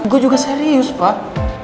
gua juga serius pak